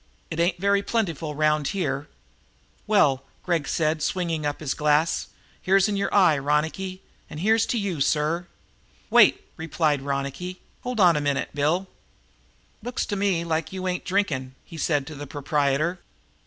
"It ain't very plentiful around here." "Well," said Gregg, swinging up his glass, "here's in your eye, Ronicky, and here's to you, sir!" "Wait," replied Ronicky Doone. "Hold on a minute, Bill. Looks to me like you ain't drinking," he said to the proprietor.